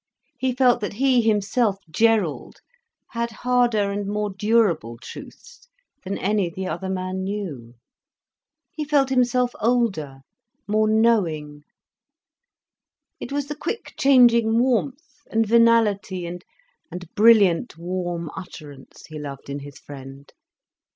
He felt that he, himself, Gerald, had harder and more durable truths than any the other man knew. He felt himself older, more knowing. It was the quick changing warmth and venality and brilliant warm utterance he loved in his friend.